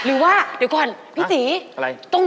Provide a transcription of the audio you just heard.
เออ